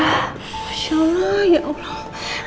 masya allah ya allah